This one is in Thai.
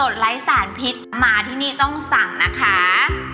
ไร้สารพิษมาที่นี่ต้องสั่งนะคะ